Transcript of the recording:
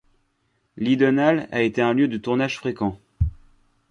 Leedenhall a été un lieu de tournage fréquent.